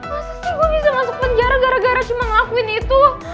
masa sih gue bisa masuk penjara gara gara cuma ngelakuin itu